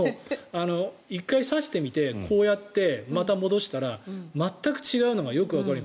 １回、差してみてこうやって、また戻したら全く違うのがよくわかる。